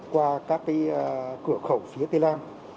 qua các cái cửa khẩu phía tây lan